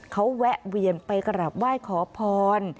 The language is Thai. เขาแวะเวียนไปกราบไหว้ขอพร